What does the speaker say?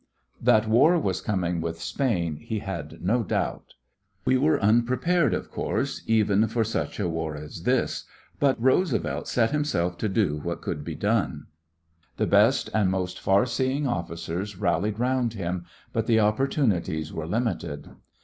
That war was coming with Spain he had no doubt. We were unprepared, of course, even for such a war as this, but Roosevelt set himself to do what could be done. The best and most farseeing officers rallied round him, but the opportunities were limited.